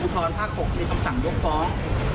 ทรภาค๖มีคำสั่งยกฟ้อง